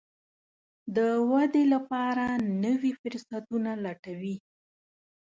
د ودې لپاره نوي فرصتونه لټوي.